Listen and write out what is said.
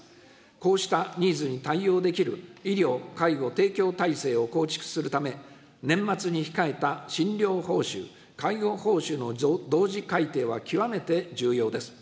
こうしたニーズに対応できる医療・介護提供体制を構築するため、年末に控えた診療報酬・介護報酬の同時改定は極めて重要です。